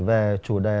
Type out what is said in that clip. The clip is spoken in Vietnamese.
về chủ đề